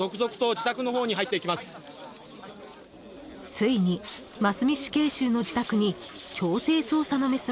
［ついに真須美死刑囚の自宅に強制捜査のメスが入ります］